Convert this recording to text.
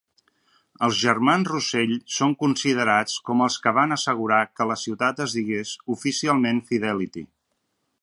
Els germans Russell són considerats com els que van assegurar que la ciutat es digués oficialment "Fidelity".